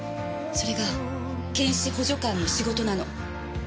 それが検視補助官の仕事なの。